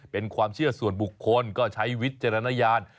เป็นความเชื่อส่วนบุคคลก็ใช้วิจารณญาณ